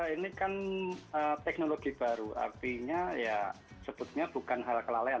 ini kan teknologi baru artinya ya sebutnya bukan hal kelalaian